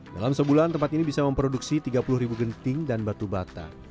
dalam sebulan tempat ini bisa memproduksi tiga puluh ribu genting dan batu bata